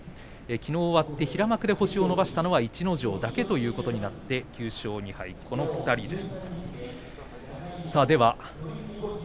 きのう終わって平幕で星を伸ばしたのは逸ノ城だけということで、９勝２敗はこの２人だけです。